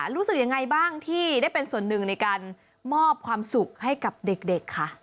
รู้สึกยังไงบ้างที่ได้เป็นส่วนหนึ่งในการมอบความสุขให้กับเด็กค่ะ